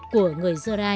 của người dơ rai sử dụng